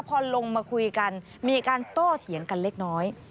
พอลงมาคุยกันมีการโต้เถียงกันเล็กน้อย